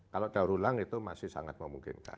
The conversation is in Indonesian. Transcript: kalau daur ulang itu masih sangat memungkinkan